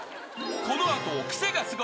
［この後］